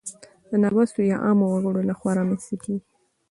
د نالوستو يا عامو وګړو لخوا رامنځته کيږي.